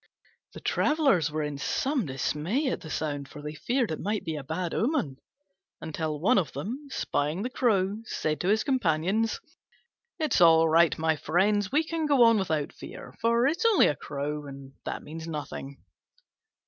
The travellers were in some dismay at the sound, for they feared it might be a bad omen; till one of them, spying the Crow, said to his companions, "It's all right, my friends, we can go on without fear, for it's only a crow and that means nothing."